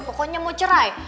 pokoknya mau cerai